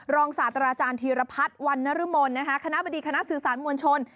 ศาสตราจารย์ธีรพัฒน์วันนรมนคณะบดีคณะสื่อสารมวลชน